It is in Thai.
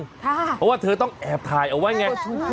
เพราะว่าเธอต้องแอบถ่ายเอาไว้ไง